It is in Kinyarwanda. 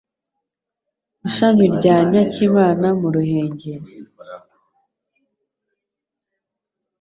ishami rya Nyakinama mu Ruhengeri